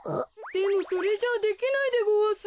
でもそれじゃあできないでごわす。